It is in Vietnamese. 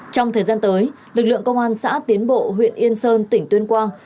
trong thời gian tới lực lượng công an xã tiến bộ huyện yên sơn tỉnh tuyên quang